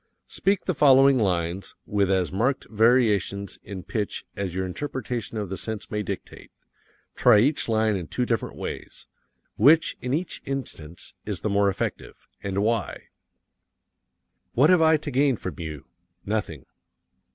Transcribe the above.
Speak the following lines with as marked variations in pitch as your interpretation of the sense may dictate. Try each line in two different ways. Which, in each instance, is the more effective and why? What have I to gain from you? Nothing.